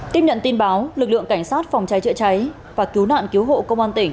tiếp nhận tin báo lực lượng cảnh sát phòng cháy chữa cháy